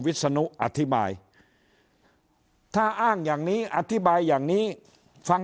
วิศนุอธิบายถ้าอ้างอย่างนี้อธิบายอย่างนี้ฟัง